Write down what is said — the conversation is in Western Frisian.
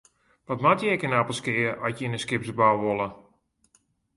Wat moatte je ek yn Appelskea at je yn de skipsbou wolle?